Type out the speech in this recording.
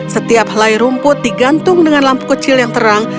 setiap helai rumput digantung dengan lampu kecil yang terang